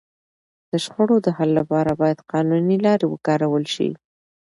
د شخړو د حل لپاره باید قانوني لاري وکارول سي.